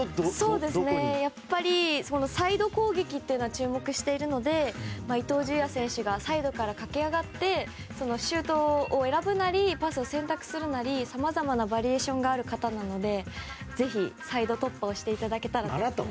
やっぱりサイド攻撃に注目しているので伊東純也選手がサイドから駆け上がってシュートを選ぶなりパスを選択するなりさまざまなバリエーションがある方なのでぜひサイド突破していただけたらと。